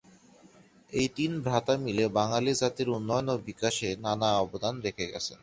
এই তিন ভ্রাতা মিলে বাঙালি জাতির উন্নয়ন ও বিকাশ নানা অবদান রেখে গেছেন।